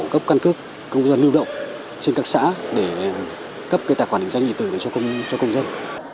cấp căn cước công dân lưu động trên các xã để cấp tài khoản định danh điện tử cho công dân